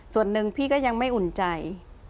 ส่วนหนึ่งพี่ก็ยังไม่อุ่นใจ